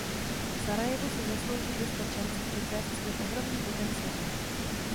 Sarajevo si zaslouží dostat šanci předvést svůj ohromný potenciál.